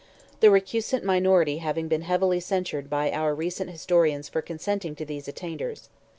The recusant minority have been heavily censured by our recent historians for consenting to these attainders.